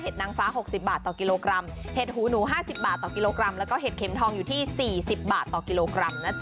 นางฟ้า๖๐บาทต่อกิโลกรัมเห็ดหูหนู๕๐บาทต่อกิโลกรัมแล้วก็เห็ดเข็มทองอยู่ที่๔๐บาทต่อกิโลกรัมนะจ๊